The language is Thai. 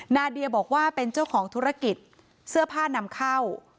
นาเดียบอกว่าเป็นเจ้าของธุรกิจเสื้อผ้านำเข้า